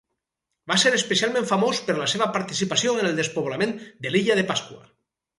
Va ser especialment famós per la seva participació en el despoblament de l'illa de Pasqua.